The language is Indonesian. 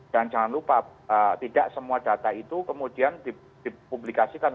dan jangan lupa tidak semua data itu kemudian dipublikasikan